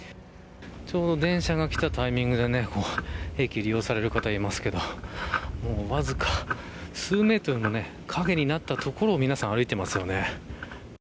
ちょうど電車が来たタイミングで駅を利用される方がいますがわずか数メートルの陰になった所を皆さん歩いていますよね。